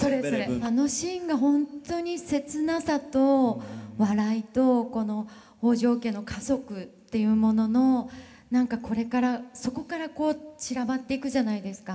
あのシーンが本当に切なさと笑いとこの北条家の家族っていうものの何かこれからそこから散らばっていくじゃないですか。